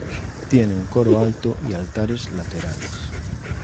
Tiene un coro alto y altares laterales.